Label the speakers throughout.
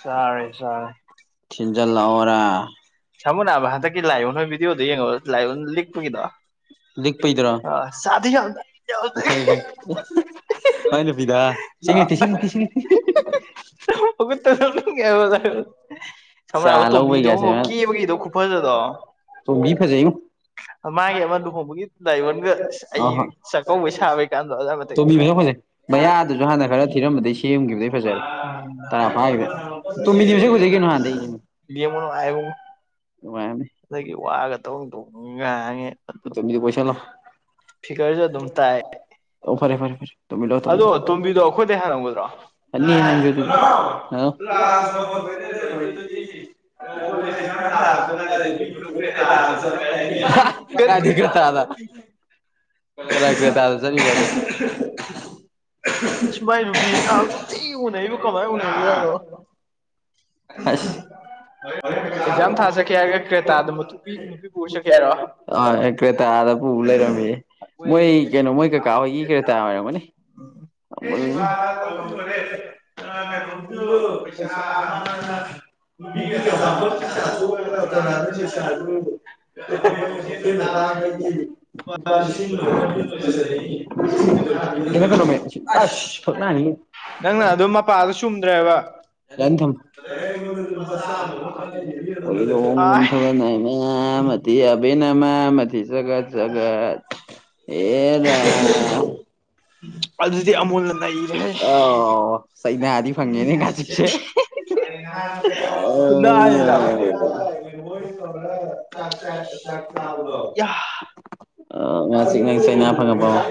Speaker 1: [inaudible] ꯁꯔꯦ ꯆꯔꯦ
Speaker 2: ꯊꯤꯟꯖꯜꯂꯛꯑꯔꯥ
Speaker 1: ꯁꯃꯨ ꯅꯥꯕ ꯍꯟꯗꯛꯀꯤ ꯂꯥꯏꯑꯣꯣꯟ ꯍ ꯕꯤꯗꯤꯑꯣꯗ ꯌꯦꯡꯉꯣ ꯂꯥꯏꯑꯣ ꯂꯤꯛꯄꯒꯤꯗꯣ ꯑ ꯁꯥꯗꯤ ꯌꯥꯗ ꯌꯥꯗ
Speaker 2: ꯃ ꯅꯨꯕꯤꯗ ꯁꯤꯡꯉꯠꯇꯦꯁꯤꯡꯉꯦꯁꯤꯡꯉ
Speaker 1: ꯁꯝꯂꯕ ꯇꯣꯝꯕꯤꯗꯣ ꯑꯃꯨꯛ ꯒꯤꯗꯣ ꯈꯨ ꯍꯗ ꯃꯥꯒꯤ ꯑꯃ ꯂꯨꯍꯣꯡꯕꯒꯤ ꯂꯗꯥꯏꯕꯣꯟꯒ ꯑꯩ ꯆꯥꯛꯀꯧꯕꯩ ꯁꯥꯕꯩ ꯀꯥꯟꯗꯣ ꯑꯣꯖꯥꯊ
Speaker 2: ꯃꯩ ꯑꯗꯨꯁꯨ ꯍꯥꯟꯅ ꯈꯔ ꯊꯤꯔꯝꯕꯗꯒꯤꯩ ꯁꯦꯝꯈꯤꯕꯗꯒꯤꯩ ꯐꯖꯔꯦ ꯇꯔꯥ ꯐꯥꯏꯈꯤꯕ ꯇꯣꯝ ꯍꯧꯖꯤꯛ ꯍꯧꯖꯤꯛꯀꯤꯅꯣ ꯍꯥꯟꯅꯩ
Speaker 1: ꯂ ꯃꯅꯕ
Speaker 2: ꯉꯥꯏꯅꯦ
Speaker 1: ꯑꯗꯒꯤ ꯋꯥꯒ ꯇꯧ ꯇꯣꯡ ꯉꯥꯡꯉꯤ
Speaker 2: ꯇꯃꯤꯗꯤ ꯄꯩꯁꯥꯂꯣ
Speaker 1: ꯐꯤꯒꯔꯁꯨ ꯑꯗꯨꯝ ꯇꯥꯏ
Speaker 2: ꯑꯣ ꯐꯔꯦ ꯐꯔꯦ ꯐꯔꯦ ꯊꯃꯤ ꯂꯣ ꯇꯝ ꯂ ꯀꯔꯦꯣꯏ ꯆꯗꯤ ꯊꯥ ꯀꯥꯏꯗꯤꯈ ꯇ ꯑꯗ ꯀꯔꯒ ꯇꯥꯗ ꯆꯅꯤ ꯄ
Speaker 1: ꯁꯨꯃꯥꯏ ꯅꯨꯄꯤ ꯊꯤ ꯎꯅꯩꯕ ꯀꯃꯥꯏꯅ ꯎꯅꯔꯤ ꯌꯥꯅꯣ
Speaker 2: ꯑ ꯄꯩꯁꯥ ꯑ ꯏꯈ ꯇꯥꯗ ꯄ ꯄꯨ ꯂꯩꯔꯃꯤ ꯃꯣꯏ ꯀꯩꯅꯣ ꯃꯣꯏ ꯀꯀꯥ ꯍꯣꯏꯒꯤ ꯀꯩꯔꯇꯥꯥ ꯑꯣꯏꯔꯝꯒꯅꯤ [unintelligible] ꯅꯨꯡꯗꯤꯒ ꯁꯥꯐꯝ ꯆꯥꯖ ꯊꯥꯗ ꯆꯥꯖ ꯑꯩꯈꯣꯏ ꯅꯠꯇꯓ ꯀ ꯀꯩꯅꯣ ꯑ ꯐꯂꯅꯤ ꯟꯊꯝ ꯊꯕ ꯅ ꯑ ꯃꯊ ꯑꯕꯤꯅꯃ ꯃꯊ ꯁꯒꯠ ꯁꯒ ꯑꯦꯔ ꯑ ꯁꯩ ꯅ ꯑꯗꯤ ꯐꯪꯉꯦꯅꯤ ꯀ ꯆꯁꯦ ꯑꯦꯇ ꯣꯏ ꯆ ꯆꯗ
Speaker 1: ꯌꯥ
Speaker 2: ꯑ ꯉ ꯆꯛꯅ ꯆꯩꯅꯥ ꯐꯪꯉꯄ ꯑꯣ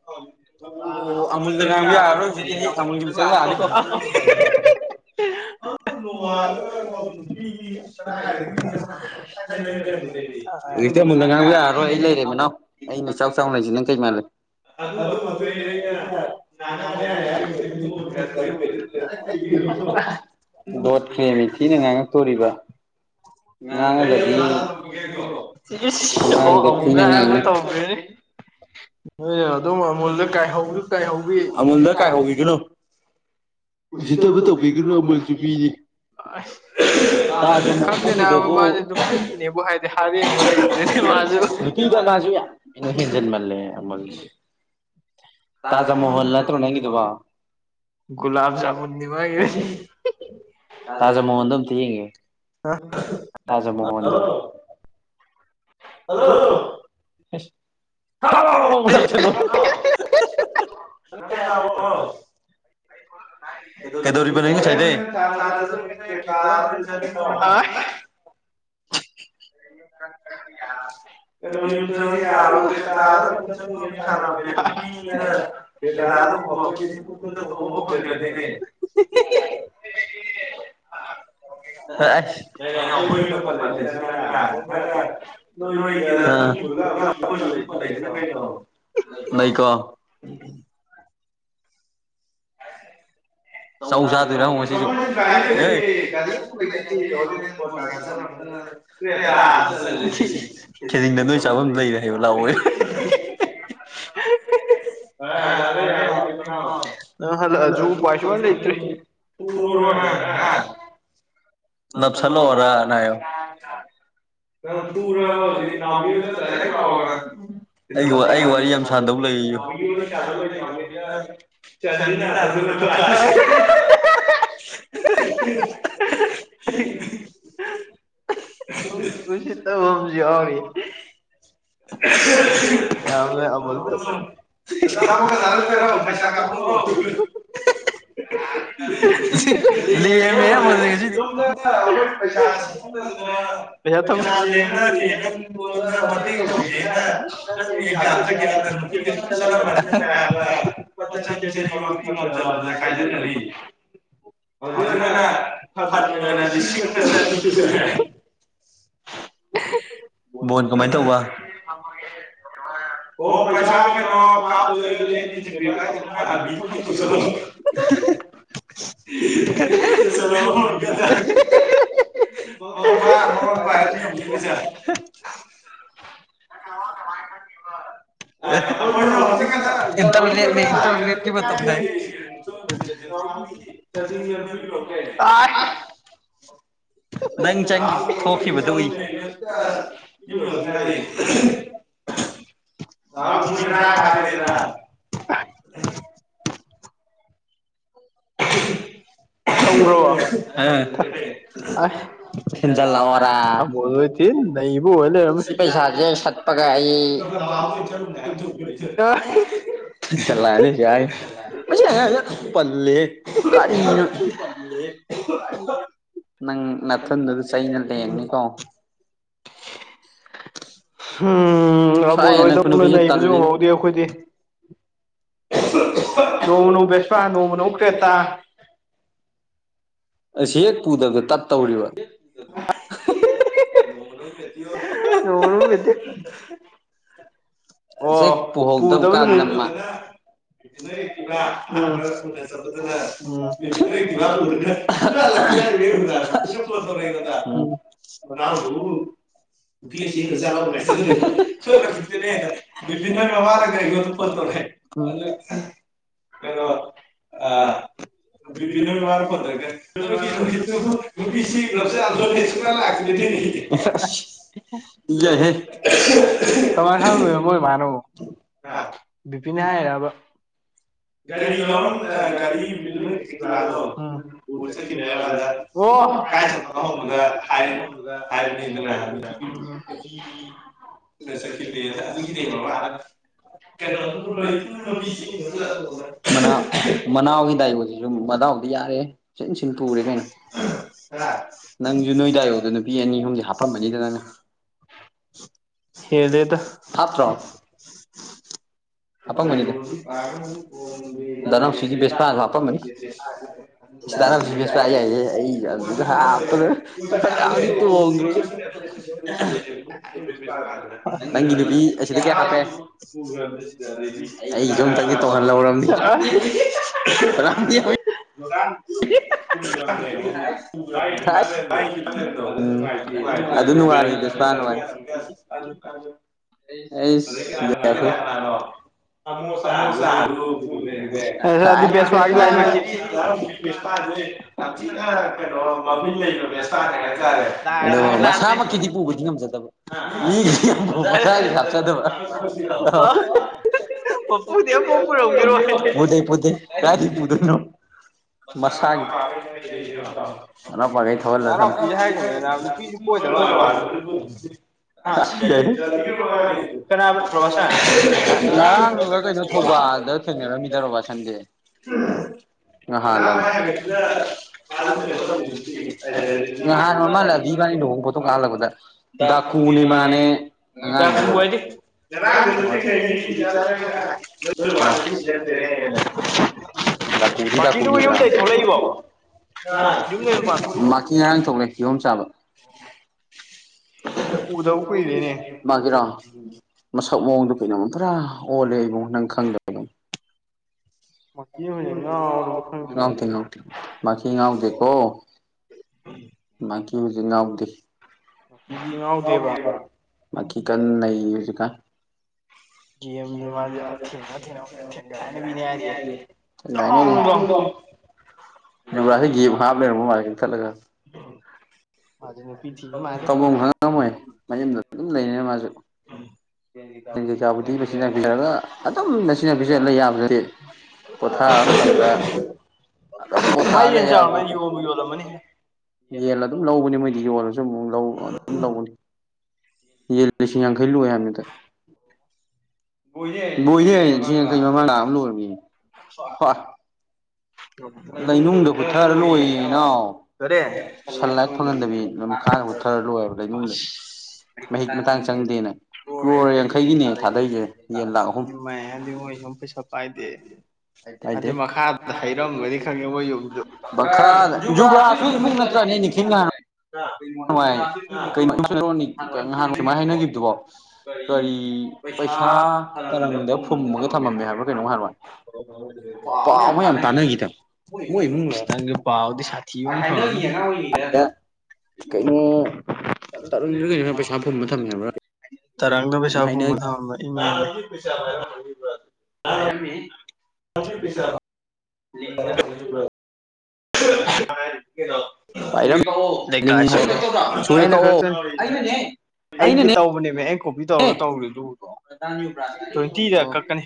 Speaker 1: ꯍ ꯭ꯔ ꯆ ꯀꯣ ꯍ
Speaker 2: [unintelligible] ꯍꯧꯖꯤꯛꯇꯤ ꯑꯃꯨꯜꯟꯅ ꯉꯥꯡꯕ ꯌꯥꯔꯔꯣꯏ ꯑꯩ ꯂꯩꯔꯦ ꯃꯅꯥꯎ ꯑꯩ ꯃꯤꯆꯥꯎ ꯆꯥꯎꯅ ꯂꯩꯁꯤ ꯅꯪ ꯀꯩ ꯃꯥꯜꯂꯦ
Speaker 1: ꯑꯗꯨ ꯃ ꯑꯗꯨ
Speaker 2: [inaudible] ꯗꯣꯠ ꯀ꯭ꯔꯦꯃꯤꯊꯤꯅ ꯉꯥꯡꯉꯛꯇꯣꯔꯤꯕ
Speaker 1: [inaudible] ꯁꯤ ꯑꯣ ꯑꯍꯨꯝꯒꯕ ꯇꯧꯒꯦꯅꯦ ꯑ ꯑꯗꯨꯝ
Speaker 2: ꯑꯃꯜꯗ ꯀꯥꯏ ꯍꯒ ꯀꯅꯣ ꯎꯁꯤꯠꯇꯕ ꯇꯧꯕꯤꯒꯅꯨ ꯃꯃꯜꯁꯨ ꯃꯤꯅꯤ
Speaker 1: ꯑꯁ ꯈꯪꯗꯦꯅꯕ ꯃꯥꯁꯦ ꯅꯨꯡꯇꯒꯤꯅꯦꯕꯨ ꯍꯥꯏꯗꯤ ꯍꯥꯔꯦꯡꯕ ꯂꯩꯇꯗꯅꯦ ꯃꯥꯁꯨ
Speaker 2: ꯅꯨꯄꯤꯗ ꯃꯥꯁꯨ ꯌꯥꯝ ꯀꯩꯅꯣ ꯍꯦꯟꯖꯟꯃꯜꯂꯦ ꯑꯃꯜꯁꯦ ꯇꯥꯖꯥ ꯃꯣꯜꯅ ꯍꯣ ꯅꯪꯒꯗ ꯋꯥ ꯇꯥꯖꯥ ꯃꯣꯍꯟꯗ ꯌꯦꯦ ꯇꯥꯖ ꯃꯣꯍꯟ ꯍꯜꯂꯣ ꯁ ꯀꯔꯣ ꯃꯁꯂꯣ ꯅꯕ ꯀꯩꯗꯧꯔꯤꯕꯥꯏꯗ
Speaker 1: [inaudible]
Speaker 2: ꯌ ꯑꯔ ꯊꯃꯤ ꯈꯥꯅ ꯍ ꯍꯪꯗꯅꯦ
Speaker 1: [unintelligible]
Speaker 2: ꯑꯁ ꯑꯩꯈꯣꯏꯅ ꯄꯜꯂꯁꯤ ꯅꯪ ꯀꯣ ꯑꯦ
Speaker 1: [unintelligible] ꯣꯏꯁꯨꯒꯥꯔꯤ ꯂꯔꯤ [unintelligible] ꯅꯪ ꯍꯜꯂꯛꯑꯁꯨ ꯎꯄꯥꯏ ꯇꯨꯝꯐꯝ ꯂꯩꯇ꯭ꯔꯦ ꯐꯨꯂꯣꯅꯦ ꯉꯥꯡ
Speaker 2: ꯅꯞ ꯁꯟꯂꯛꯑꯣꯔ ꯍꯥꯏꯌꯣ ꯅꯪ ꯐꯨꯂꯒ ꯍꯛꯖꯤꯛ ꯅꯎꯕꯤ ꯃꯤꯏꯗ ꯗꯥꯏꯗꯦꯔ ꯂꯥꯛꯎꯔ ꯑꯩꯒꯤ ꯑꯩ ꯋꯥꯔꯤ ꯌꯥꯝ ꯁꯥꯟꯗꯧꯕ ꯂꯩꯔꯍꯦꯌꯣ ꯅꯥꯎꯕꯤꯒ ꯋꯔꯤ ꯁꯥꯗꯧꯕ ꯅꯥꯎꯕꯤꯒ ꯆꯥꯟꯅꯤꯅ ꯊꯧꯒꯠꯂꯛꯄ [unintelligible] [unintelligible] [unintelligible] [unintelligible] ꯑꯆꯥꯄꯣꯠꯀ ꯆꯔꯛꯇꯨꯏꯔꯤ ꯄꯩꯁꯥ ꯀꯥꯞꯄꯛꯎꯔꯣ [unintelligible] ꯂꯦꯝꯃꯦꯍꯦ ꯃꯥꯂꯦꯁꯖ ꯉꯁꯤꯗꯤ
Speaker 1: [unintelligible] ꯄꯩꯁꯥ ꯀꯥꯞꯄꯛꯇꯗ ꯃꯥ
Speaker 2: ꯄꯩꯁꯥ ꯂꯦꯟꯅꯁꯦꯅ ꯅꯪꯉꯣꯡꯗ ꯃꯇꯦꯡ ꯇꯧꯁꯦꯅ ꯅꯪ ꯑꯦꯛꯖꯥꯝ ꯆꯠꯈꯤ ꯍꯥꯏꯅ [unintelligible] ꯂꯨꯄꯥ ꯆꯥꯅꯤ ꯆꯥꯅꯤ ꯐꯥꯎꯗꯤ ꯉꯝꯖꯕ ꯈꯥꯏꯒꯅꯔꯤꯍꯦ ꯍꯧꯖꯤꯛꯀꯤ ꯑꯣꯏꯅ ꯐꯥꯟ ꯑꯣꯏꯅ ꯂꯤꯁꯤ ꯑꯃꯥꯡ ꯆꯥꯅꯤ ꯁꯨꯖꯔꯦ ꯕꯣꯟ ꯀꯃꯥꯏꯅ ꯇꯧꯕ
Speaker 1: [unintelligible] ꯑꯣ ꯄꯩꯁꯥ ꯀꯩꯅꯣ ꯀꯥꯞꯇꯨꯏ ꯑꯣꯏꯔꯗꯤ ꯑꯩꯗꯤ ꯖꯤꯄꯦ ꯄꯥꯏꯗꯅꯤꯅ ꯑꯗꯨꯗ ꯗꯨꯝ ꯇꯧꯁꯤꯟꯂꯥꯛꯑꯣ [unintelligible]
Speaker 2: ꯑꯣ ꯃꯥ [unintelligible] ꯄꯥꯏ ꯇꯧꯅꯤꯡꯉꯤꯁꯦ ꯑꯩꯈꯣꯏꯁꯨ ꯍꯧꯖꯤꯛꯈꯛꯇ ꯏꯟꯇꯔꯅꯦꯠ ꯏꯟꯇꯔꯅꯦꯠꯀꯤ ꯃꯇꯝꯅꯦ [unintelligible] ꯆꯖꯤꯡꯅ [unintelligible] ꯅꯦ ꯅꯪ ꯆꯪ ꯊꯣꯛꯈꯤꯕꯗꯣ ꯎꯏ ꯅꯗ꯭ꯔꯥꯅꯤꯗ꯭ꯔꯥ
Speaker 1: ꯎ
Speaker 2: ꯑ
Speaker 1: ꯑ ꯃꯣꯏꯁꯤ ꯊꯤ ꯅꯩꯕꯑꯣꯏ ꯂꯩꯔꯝꯃꯦ
Speaker 2: ꯄꯒꯏ ꯑꯩ ꯂꯥꯏꯌꯥꯏ ꯃꯁꯤ ꯑꯉꯥꯡꯁꯤ ꯑꯗꯨꯝ ꯄꯜꯂꯦ
Speaker 1: [unintelligible]
Speaker 2: ꯅꯪ ꯅꯥꯊꯟꯗꯨꯗ ꯆꯩꯅ ꯂꯦꯡꯅꯤꯀꯣ
Speaker 1: ꯍꯝ ꯑꯃꯕꯨ ꯂꯣꯏꯗꯧ ꯂꯣꯏ ꯅꯩꯕꯁꯨ ꯉꯝꯍꯧꯗꯦ ꯑꯩꯈꯣꯏꯗꯤ ꯅꯣꯡꯃꯅ ꯕꯦꯁꯄꯥ ꯅꯣꯡꯃꯅ ꯃꯨꯛ ꯀ꯭ꯔꯦꯇꯥ
Speaker 2: ꯑꯁꯤ ꯍꯦꯛ ꯄꯨꯗꯕꯗ ꯇꯞ ꯇꯧꯔꯤꯕ ꯃꯧ ꯑꯅꯧꯕꯤ
Speaker 1: ꯃꯧ ꯑꯄꯧꯕꯤ ꯅꯠꯇꯦ
Speaker 2: ꯍꯧꯖꯤꯛ ꯄꯨꯍꯧꯗꯕ ꯀꯥꯟꯗ ꯃ ꯅꯠꯇꯦ ꯅꯤꯏ ꯏꯃꯥ ꯑꯍꯥꯟꯕ ꯊꯨꯅ ꯆꯠꯄꯗꯨꯅ ꯅꯣꯏ ꯏꯃꯥ ꯄꯨꯔꯒ [unintelligible] [unintelligible] ꯚꯤꯄꯤꯟ ꯅꯤꯏ ꯏꯃꯥꯅ ꯐꯣꯟ ꯇꯧꯔꯛꯑꯦ ꯀꯩꯅꯣ ꯑꯥ ꯚꯤꯄꯤꯟ ꯅꯣꯏ ꯏꯃꯥꯅ ꯐꯣꯟ ꯇꯨꯔꯛꯀꯅꯤ [unintelligible]
Speaker 1: [unintelligible] ꯀꯃꯥꯏ ꯈꯪꯂꯝꯃꯤꯕ ꯃꯣꯏ ꯃꯥꯅ ꯃꯨꯛ ꯑꯥ ꯕꯤꯄꯤꯅꯦ ꯍꯥꯏꯔꯤꯂꯕ
Speaker 2: ꯒꯥꯔꯤ ꯂꯧꯔꯝ ꯒꯥꯔꯤ ꯃꯣꯏ ꯑꯦꯛꯇꯤꯚꯥ ꯄꯨꯔ ꯆꯠꯈꯤꯅꯦꯕ ꯍꯧꯖꯤꯛꯋꯥꯏꯗ ꯑꯣ ꯀꯥꯏ ꯆꯠꯄꯅꯣ ꯍꯪꯕꯗ ꯍꯥꯏ ꯍꯥꯏꯕꯅꯤꯗꯅ [unintelligible] ꯆꯠꯂꯦꯅ ꯑꯗꯨꯒꯤꯅꯦ ꯃꯃꯅ ꯀꯩꯅꯣ ꯃꯅꯥ ꯃꯅꯥꯎ ꯇꯥꯏ ꯍꯧꯖꯤꯁꯨ ꯃꯅꯥꯎꯗꯤ ꯌꯥꯔꯦ ꯏꯤꯟ ꯏꯆꯟ ꯄꯨꯔꯦ ꯀꯩꯅꯣ ꯅꯪꯁꯨ ꯅꯣꯏꯗꯥꯏꯌꯣꯗ ꯅꯨꯄꯤ ꯑꯅꯤ ꯑꯍꯨꯝꯁꯦ ꯍꯥꯞꯄꯃꯅꯤꯗ ꯅꯪꯅ
Speaker 1: ꯍꯦꯗꯗ ꯑ ꯄꯥ [unintelligible]
Speaker 2: ꯇꯁꯦ ꯑꯩ ꯆꯗꯥ ꯇ [unintelligible]
Speaker 1: [unintelligible] ꯆ
Speaker 2: ꯔꯥꯟꯗꯤ
Speaker 1: ꯗꯥꯝ ꯄꯒꯔꯣ ꯑ ꯅꯣ ꯑꯗꯨꯗꯤ ꯦꯁꯋꯥꯒꯤ ꯂꯥꯏꯕꯈꯤꯔꯤ
Speaker 2: ꯄꯁꯄꯥꯔꯦ ꯊꯤꯅ ꯀꯩꯅꯣ ꯂꯩꯔꯦ ꯑ ꯃꯁꯥꯃꯛꯀꯤꯗꯤ ꯄꯨꯕꯗꯤ ꯉꯝꯖꯗꯦ ꯃꯤꯒꯤ ꯃꯁꯥꯒꯤ ꯍꯥꯞꯆꯗꯕ ꯑ ꯄꯨꯗ ꯄꯨꯗ ꯔꯥꯗꯤ ꯄꯨꯗꯅꯣ ꯃꯁꯥꯒꯤ ꯃꯅꯄꯥꯒꯩ ꯊꯧꯍꯜꯂ ꯊꯅ [unintelligible] ꯉꯔꯥꯡꯒ ꯀꯩꯅꯣ ꯊꯧꯕꯥꯜꯗ ꯃꯤꯗꯔꯣꯕ ꯁꯟꯗꯦ
Speaker 1: ꯎꯝ
Speaker 2: ꯍ ꯂ ꯍꯥꯟꯅ ꯃꯥꯜꯂꯑꯕꯤꯕꯅꯤ ꯂꯨꯍꯣꯡ ꯄꯣꯊꯣꯛ ꯀꯥꯍꯜꯂꯛꯕꯗ ꯗꯥꯛ ꯀꯨꯝꯅꯤ ꯃꯥꯅꯦ ꯑ ꯔꯥꯡ ꯏꯃꯤꯒꯤ ꯆꯁꯤꯅꯦ ꯂꯗꯥꯀꯨꯗꯤ ꯗꯀꯨꯅꯤꯗ꯭ꯔꯥ ꯃꯥ ꯊꯣꯛꯂꯩ ꯀꯤꯍꯣꯝ ꯆꯥꯕ ꯃꯥꯒꯤꯔꯣ ꯃꯁꯛ ꯃꯑꯣꯡꯗ ꯀꯩꯅꯃ ꯄꯨꯔꯥ ꯑꯣꯜꯂꯦ ꯏꯕꯨꯡ ꯅꯪ ꯈꯪꯗꯕ ꯉ ꯇ ꯅ ꯃꯥ ꯉꯥꯎꯗꯀꯣ ꯀꯤ ꯍꯧꯖꯤꯛ ꯉꯥꯎꯗꯦ ꯃꯤ ꯀꯟꯅ ꯅꯩ ꯍꯧꯖꯤꯛꯀꯥꯟ [unintelligible] ꯥꯏꯅꯦ ꯕꯨꯔꯥꯁ ꯦꯞ ꯍꯥꯞ ꯂꯩꯔ ꯃꯥ ꯊꯠꯂꯒ ꯇꯧꯐꯝ ꯈꯪꯉꯝꯃꯣꯏ ꯃꯌꯨꯝꯗ ꯑꯗꯨꯝ ꯂꯩꯅꯤꯅ ꯃꯥꯁꯨ ꯀꯩꯀꯥꯕꯨꯗꯤ ꯃꯆꯤꯟꯅ ꯄꯤꯖꯔꯒ ꯑꯗꯨꯝ ꯅꯆꯤꯟꯅ ꯄꯤꯖꯂ ꯌꯥꯕꯗꯤ ꯄꯊꯥ ꯑꯃ
Speaker 1: ꯃꯥꯥꯏ ꯌꯦꯟ ꯆꯥꯃ ꯌꯣꯟꯕ ꯌꯣꯜꯂꯝꯃꯅꯤꯍꯦ
Speaker 2: ꯌꯦꯂ ꯑꯗꯨꯝ ꯂꯧꯕꯅꯦ ꯃꯣꯏꯗꯤ ꯜꯂꯁꯨ ꯑꯃꯨ ꯑꯗꯨꯝ ꯂꯧꯕꯅꯤ ꯂꯤꯁꯤꯡ ꯌꯥꯡꯈꯩ ꯂꯣꯏꯦ ꯍꯥꯏꯕꯅꯤꯗ ꯣ ꯁꯤ ꯀ ꯃꯥꯂ ꯍ ꯂꯩꯅꯨꯡꯗ ꯄꯨꯊꯔ ꯂꯣꯏꯌꯦꯅꯥ ꯁꯟ ꯂꯥꯏꯠ ꯐꯪꯍꯟꯗꯕꯤ ꯅ ꯀꯥꯅ ꯃꯨꯠꯊꯔ ꯂꯣꯏꯕ ꯂꯩꯅꯨꯡꯗ ꯃꯍꯤꯛ ꯃꯇꯥꯡ ꯆꯪꯗꯦꯅ ꯀ꯭ꯔꯣꯔ ꯌꯥꯡꯈꯩꯒꯤꯅꯦ ꯊꯥꯗꯩꯁꯦ
Speaker 1: ꯎ ꯃ ꯍꯥꯏ ꯃꯣꯏ ꯌꯨꯝ ꯄꯩꯁꯥ ꯄꯥꯏꯗꯦ ꯑꯗꯨ ꯃꯈꯥ
Speaker 2: ꯥ ꯖꯨꯕꯥꯁꯨꯣꯏ ꯏꯃꯨꯡ ꯅꯠꯇ꯭ꯔꯥꯅꯦ ꯅꯤꯡꯈꯤꯜ ꯉ
Speaker 1: [unintelligible]
Speaker 2: ꯅꯨꯡꯉꯥꯏ ꯀꯩꯅꯣꯅꯤ ꯅꯍꯥꯟꯅ ꯁꯨꯃꯥꯏꯅ ꯍꯥꯏꯅꯈꯤꯕꯗꯨꯕꯣ ꯀꯔꯤ ꯄꯩꯁꯥ ꯇꯔꯪꯗ ꯐꯨꯝꯃꯒ ꯊꯝꯃꯝꯃꯦ ꯍꯥꯏꯕ꯭ꯔꯥ ꯀꯩꯅꯣ ꯍꯥꯏꯔꯅꯦ ꯄꯥꯃꯣꯏ
Speaker 1: ꯏ ꯄꯕꯥ ꯁꯥꯤ
Speaker 2: ꯑꯩꯅ ꯀꯩꯅꯩꯅꯨ ꯇꯔꯨꯟꯗ ꯀꯩꯅꯣꯅ ꯄꯩꯁꯥ ꯐꯨꯝꯕ ꯊꯝꯃꯦꯕ꯭ꯔꯥ
Speaker 1: ꯇꯔꯥꯒ ꯄꯩꯁꯥ ꯄꯨꯡ ꯃꯊꯥ ꯑꯃꯗ ꯏ
Speaker 2: ꯄꯩꯁꯥ
Speaker 1: ꯂꯩ ꯗꯀꯥ ꯑꯩꯅ ꯈꯔ ꯅꯦ ꯑꯩꯒꯤ ꯇꯧꯕꯅꯦꯕ ꯑ ꯀꯣꯄꯤ ꯇꯧꯔꯒ ꯇꯧꯔꯨꯦ ꯂꯨꯕꯗꯣ ꯇ꯭ꯋꯦꯟꯇꯤꯗ ꯀꯛꯀꯅꯤ